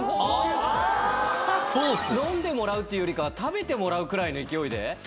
飲んでもらうっていうよりか食べてもらうくらいの勢いで！？